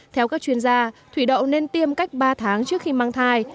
theo các chuyên gia thủy đậu nên tiêm cách ba tháng trước khi mang thai